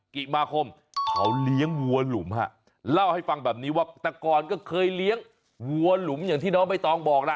กิมาคมเขาเลี้ยงวัวหลุมฮะเล่าให้ฟังแบบนี้ว่าแต่ก่อนก็เคยเลี้ยงวัวหลุมอย่างที่น้องใบตองบอกล่ะ